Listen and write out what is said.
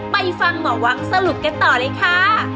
ไปฟังหมอวังสรุปกันต่อเลยค่ะ